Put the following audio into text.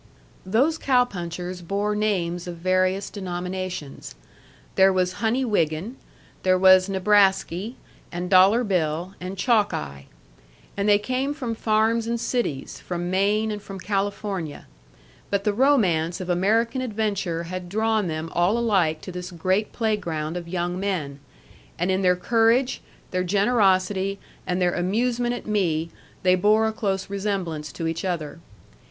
Those cow punchers bore names of various denominations. There was Honey Wiggin; there was Nebrasky, and Dollar Bill, and Chalkeye. And they came from farms and cities, from Maine and from California. But the romance of American adventure had drawn them all alike to this great playground of young men, and in their courage, their generosity, and their amusement at me they bore a close resemblance to each other.